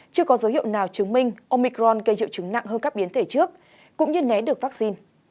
chưa có dấu hiệu nào chứng minh omicron gây triệu chứng nặng hơn các biến thể trước cũng như né được vaccine